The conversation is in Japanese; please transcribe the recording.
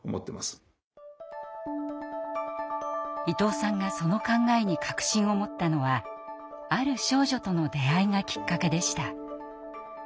伊藤さんがその考えに確信を持ったのはある少女との出会いがきっかけでした。